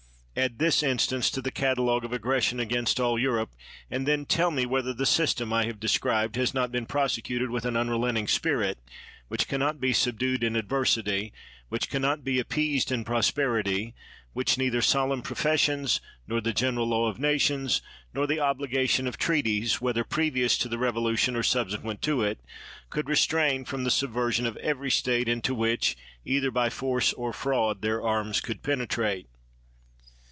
Add this instance to the catalog of aggression against all Europe, and then tell me whether the system I hate described has not been prosecuted with an unrelenting spirit which can not be subdued in adversity, which can not be appeased in pros perity, which neither solemn professions, nor the general law of nations, nor the obligation of treaties (whether previous to the revolution or subsequent to it) could restrain from the subversion of every state into which, either by force or fraud, their arms could penetrate.